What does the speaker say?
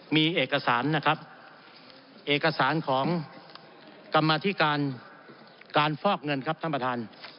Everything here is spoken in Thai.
มีเอกสารนะครับเอกสารของกรรมธิการการฟอกเงินครับท่านประธาน